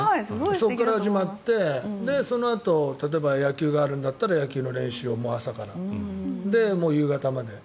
そこから始まって例えば野球があるんだったら野球の練習を朝から夕方まで。